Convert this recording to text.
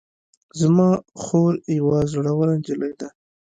زما خور یوه زړوره نجلۍ ده